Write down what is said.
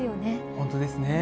本当ですね。